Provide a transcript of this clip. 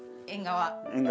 縁側。